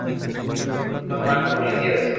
Son malos policías.